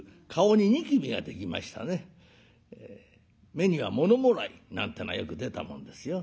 目には物もらいなんてのはよく出たもんですよ。